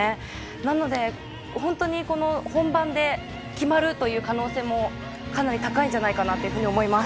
なので本当に本番で決まるという可能性もかなり高いと思います。